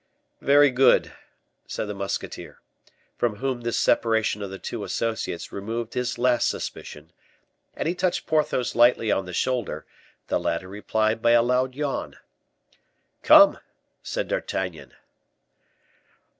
"Very good!" said the musketeer; from whom this separation of the two associates removed his last suspicion, and he touched Porthos lightly on the shoulder; the latter replied by a loud yawn. "Come," said D'Artagnan.